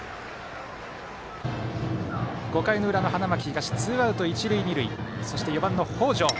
５回の裏、花巻東ツーアウト、一塁二塁そして４番、北條。